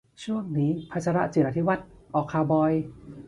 ช่วงนี้ พชร จิราธิวัฒน์ ออกข่าวบ่อย